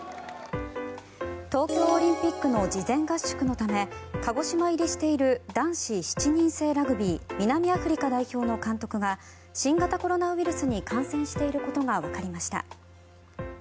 東京オリンピックの事前合宿のため鹿児島入りしている男子７人制ラグビー南アフリカ代表の監督が新型コロナウイルスに感染していることがわかりました。